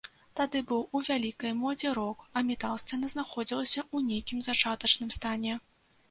Тады быў у вялікай модзе рок, а метал-сцэна знаходзілася ў нейкім зачатачным стане.